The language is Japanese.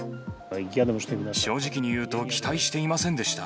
正直に言うと、期待していませんでした。